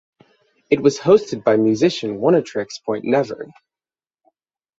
It was hosted by musician Oneohtrix Point Never.